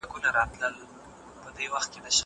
زه به سبا لوبه وکړم.